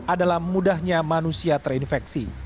adalah mudahnya manusia terinfeksi